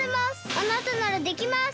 あなたならできます！